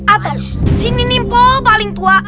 atau sini nimpol paling tua